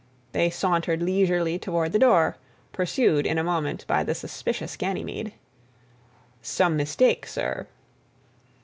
They sauntered leisurely toward the door, pursued in a moment by the suspicious Ganymede. "Some mistake, sir."